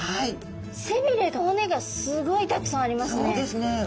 背びれと骨がすごいたくさんありますね。